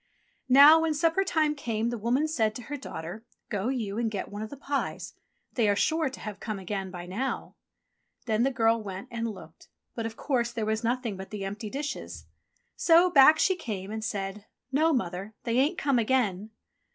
Now when supper time came the woman said to her daughter, "Go you and get one of the pies. They are sure to have come again by now." Then the girl went and looked, but of course there was nothing but the empty dishes. So back she came and said, "No, Mother, they ain't come again."